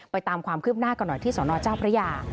ตามความคืบหน้ากันหน่อยที่สนเจ้าพระยา